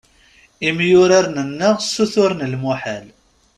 Imyurar-nneɣ ssuturen lmuḥal.